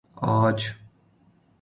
آج